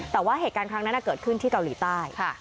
แต่ว่าเหตุการณ์ครั้งนั้นเกิดขึ้นที่เกาหลีใต้